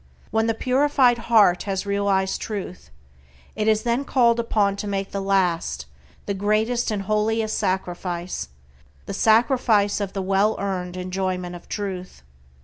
When the purified heart has realized Truth it is then called upon to make the last, the greatest and holiest sacrifice, the sacrifice of the well earned enjoyment of Truth.